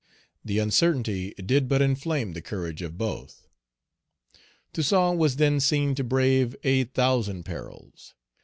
The uncertainty did but inflame the courage of both. Toussaint was then seen to brave a thousand perils.